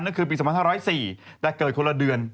นั่นคือปี๒๕๐๔แต่เกิดคนละเดือน